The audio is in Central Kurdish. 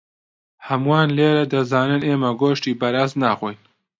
هەمووان لێرە دەزانن ئێمە گۆشتی بەراز ناخۆین.